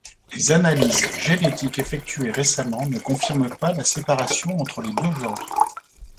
Les analyses génétiques effectuées récemment ne confirment pas la séparation entre les deux genres.